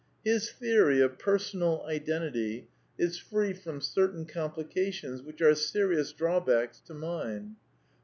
His theory of Personal Iden tity is free from certain complications which are serious drawbacks to mine.